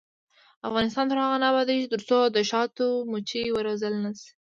افغانستان تر هغو نه ابادیږي، ترڅو د شاتو مچۍ وروزل نشي.